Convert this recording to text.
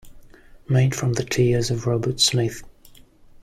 Made from the tears of Robert Smith.